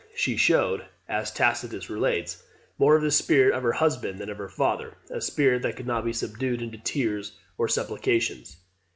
She showed, as Tacitus relates, [Ann. i. 57.] more of the spirit of her husband than of her father, a spirit that could not be subdued into tears or supplications.